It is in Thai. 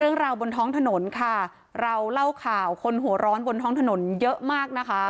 เรื่องราวบนท้องถนนค่ะเราเล่าข่าวคนหัวร้อนบนท้องถนนเยอะมากนะคะ